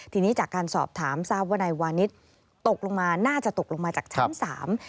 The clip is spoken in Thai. ทีนี้จากการสอบถามทราบว่านายวานิสตกลงมาน่าจะตกลงมาจากชั้นสาม